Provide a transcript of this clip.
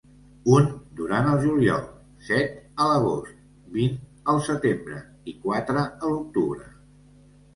Un durant el juliol, set a l'agost, vint al setembre i quatre a l'octubre.